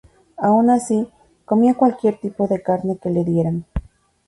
Aun así, comía cualquier tipo de carne que le dieran.